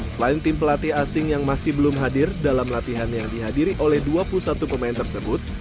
selain tim pelatih asing yang masih belum hadir dalam latihan yang dihadiri oleh dua puluh satu pemain tersebut